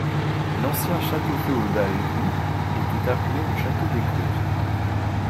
L’ancien château féodal du était appelé le château des Côtes.